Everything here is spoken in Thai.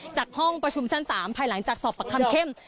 จากห้องประชุมซั้น๔ภายหลังจากศพปกรรมเข้ม